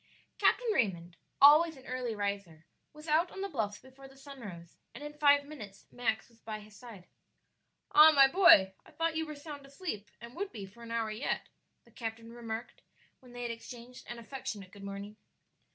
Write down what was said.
Captain Raymond, always an early riser, was out on the bluffs before the sun rose, and in five minutes Max was by his side. "Ah, my boy, I though you were sound asleep, and would be for an hour yet," the captain remarked when they had exchanged an affectionate good morning.